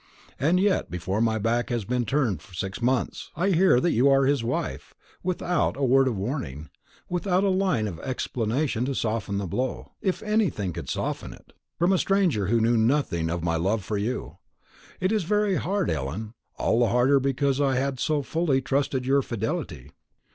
And yet before my back has been turned six months, I hear that you are his wife. Without a word of warning, without a line of explanation to soften the blow if anything could soften it the news comes to me, from a stranger who knew nothing of my love for you. It is very hard, Ellen; all the harder because I had so fully trusted in your fidelity."